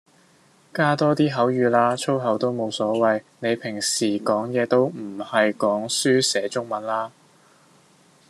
加多啲口語啦，粗口都冇所謂，你平時講嘢都唔係講書寫中文啦